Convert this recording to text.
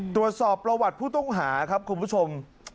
ตรวจสอบประวัติผู้ต้องหาครับคุณผู้ชม